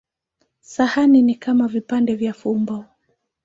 Sahani ni kama vipande vya fumbo.